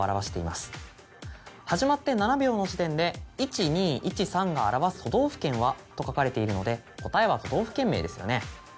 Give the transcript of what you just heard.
始まって７秒の時点で「１２１３が表す都道府県は？」と書かれているので答えは都道府県名ですよね。